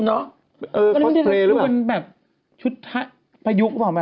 มันไม่ใช่แบบชุตระยุกต์หรือเปล่า